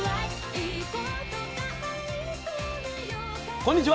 こんにちは。